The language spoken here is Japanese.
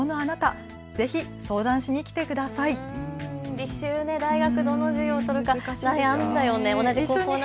履修、大学でどの授業を取るか悩んだよね。